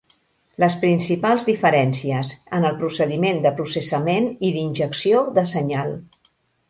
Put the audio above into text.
Les principals diferències en el procediment de processament i d'injecció de senyal.